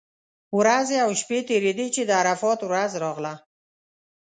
ورځې او شپې تېرېدې چې د عرفات ورځ راغله.